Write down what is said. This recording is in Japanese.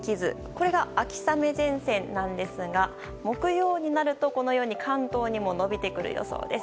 これが秋雨前線なんですが木曜になるとこのように関東にも延びてくる予想です。